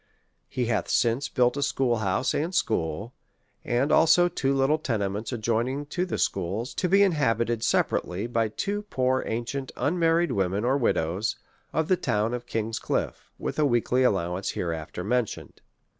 He hath since built a school house and school, and also two little tenements adjoining to the schools, to be inhabited separately by two poor ancient unmarried women or widows, of the town of King's Clifie, with a weekly allowance hereafter mentioned.